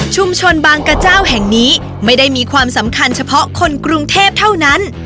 บางกระเจ้าแห่งนี้ไม่ได้มีความสำคัญเฉพาะคนกรุงเทพเท่านั้น